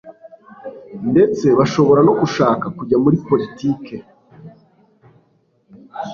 ndetse bashobora no gushaka kujya muri politiki